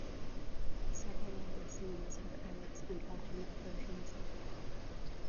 Several other singles have edits and alternate versions.